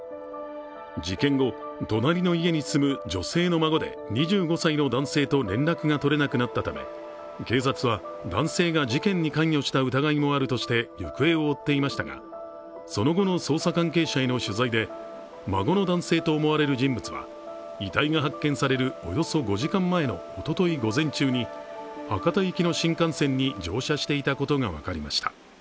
事件後、隣の家に住む女性の孫で２５歳の男性と連絡が取れなくなったため警察は、男性が事件に関与した疑いがもあるとして行方を追っていましたが、その後の捜査関係者への取材で、孫の男性と思われる人物は遺体が発見されるおよそ５時間前のおととい午前中に博多行きの新幹線に乗車していたことが分かりました。